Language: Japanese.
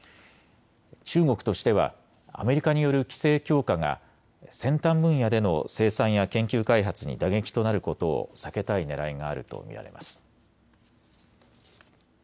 中国としてはアメリカによる規制強化が先端分野での生産や研究開発に打撃となることを避けたいねらいがあると見られます。